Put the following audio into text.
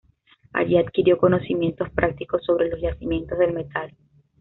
Allí adquirió conocimientos prácticos sobre los yacimientos del metal.